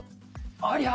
ありゃ！